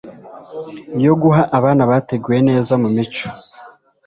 yo guha abana bateguwe neza mu mico